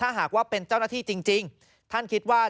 ถ้าหากว่าเป็นเจ้าหน้าที่จริงท่านคิดว่า